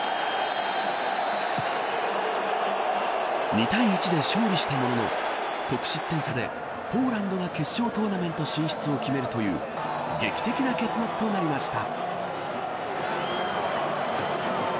２対１で勝利したものの得失点差でポーランドが決勝トーナメント進出を決めるという劇的な結末となりました。